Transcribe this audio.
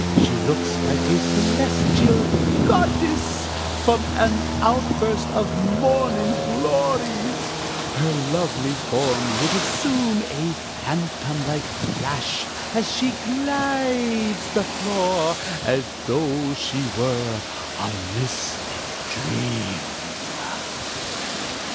She looks like a celestial goddess from an outburst of morning glories; her lovely form would assume a phantomlike flash as she glides the floor, as though she were a mystic dream."